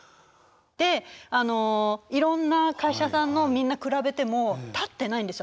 であのいろんな会社さんのみんな比べても立ってないんですよ